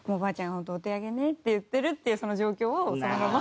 本当お手上げねって言ってるっていうその状況をそのまま。